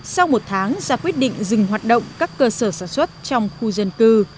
sau một tháng ra quyết định dừng hoạt động các cơ sở sản xuất trong khu dân cư